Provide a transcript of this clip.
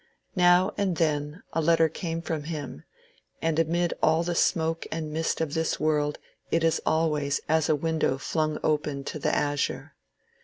Now and then a letter came from him, and amid all the smoke and mist of this world it is always as a window flung open to the azure.